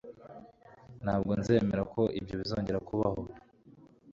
ntabwo nzemera ko ibyo bizongera kubaho